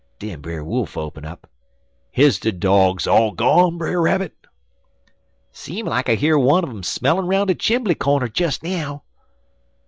Den Brer Wolf open up: "'Is de dogs all gone, Brer Rabbit?' "'Seem like I hear one un um smellin' roun' de chimbly cornder des now.'